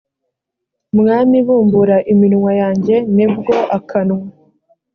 mwami bumbura iminwa yanjye ni bwo akanwa